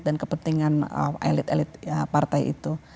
dan kepentingan elit elit partai itu